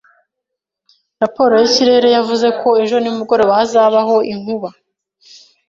Raporo y’ikirere yavuze ko ejo nimugoroba hazabaho inkuba.